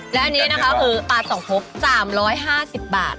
และอันนี้นะคะคือปลาสองพบ๓๕๐บาท